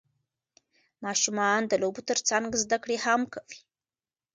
ماشومان د لوبو ترڅنګ زده کړه هم کوي